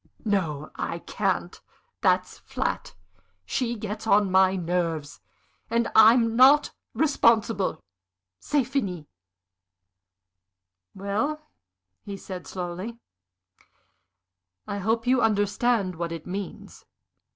"No, I can't! That's flat. She gets on my nerves, and I'm not responsible. C'est fini." "Well," he said, slowly, "I hope you understand what it means?"